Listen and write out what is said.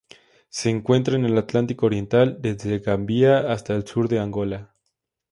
Se encuentra en el Atlántico oriental: desde Gambia hasta el sur de Angola.